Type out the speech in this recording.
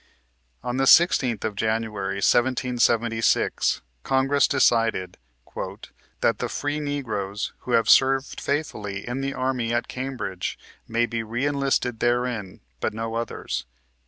On the 16th of January, 1770, Congress decided "That the free Negroes, who have served faithfully in the army at Cambridge, may be re enlisted therein, but no others."